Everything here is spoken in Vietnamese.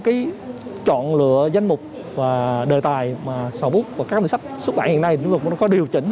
thời gian chọn lựa danh mục và đề tài mà sổ bút và các sách xuất bản hiện nay cũng có điều chỉnh